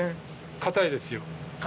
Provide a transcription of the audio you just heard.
硬いですか。